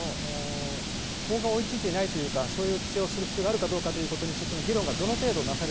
法が追いついていないかというか、そういう規制をする必要があるかどうかという議論がどの程度なさ